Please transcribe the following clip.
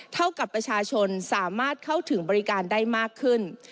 เท่ากับประชาชนสามารถเข้าถึงบริการได้มากขึ้น